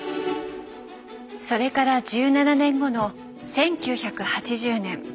それから１７年後の１９８０年。